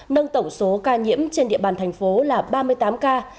nâng tổng số ca nhiễm trên địa bàn thành phố là ba mươi tám ca